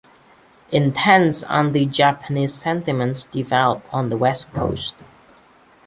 Intense anti-Japanese sentiment developed on the West Coast.